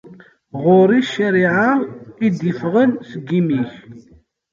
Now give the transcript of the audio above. Ɣur-i, ccariɛa i d-iffɣen seg yimi-k.